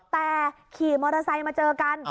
แต่ขี่มอเตอร์ไซค์มาเจอกัน